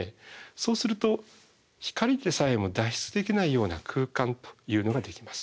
そうすると光でさえも脱出できないような空間というのができます。